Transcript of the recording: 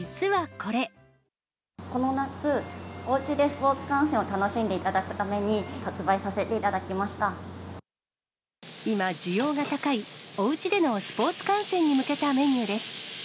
この夏、おうちでスポーツ観戦を楽しんでいただくために発売させていただ今、需要が高い、おうちでのスポーツ観戦に向けたメニューです。